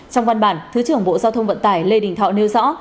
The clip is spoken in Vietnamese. trong văn bản thứ trưởng bộ giao thông vận tải lê đình thọ nêu rõ